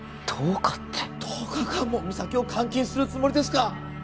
１０日って１０日間も実咲を監禁するつもりですか！？